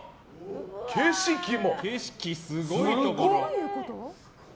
景色、すごいところ！